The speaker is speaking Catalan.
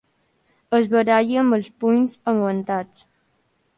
Es baralli amb els punys enguantats.